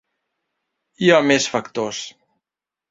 I hi ha més factors.